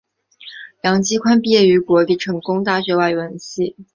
杨基宽毕业于国立成功大学外文系。